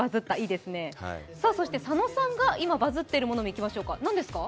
そして佐野さんが今バズってるものいきましょうか、何ですか？